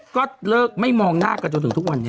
ก็เลิกไม่มองหน้ากันจนถึงทุกวันนี้